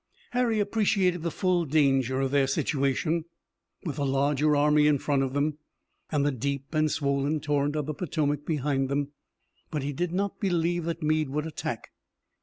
Harry appreciated the full danger of their situation, with the larger army in front of them, and the deep and swollen torrent of the Potomac behind them. But he did not believe that Meade would attack.